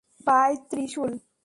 By, Trishul.